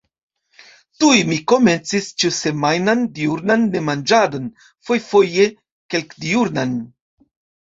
Tuj mi komencis ĉiusemajnan diurnan nemanĝadon, fojfoje kelkdiurnan.